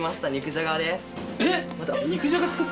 えっ！？